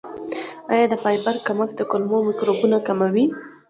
آیا د فایبر کمښت د کولمو میکروبونه کموي؟